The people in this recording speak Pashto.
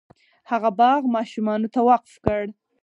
هغه باغ ماشومانو ته وقف کړ.